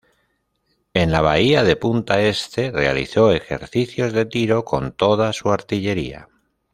En la Bahía de Punta Este realizó ejercicios de tiro con toda su artillería.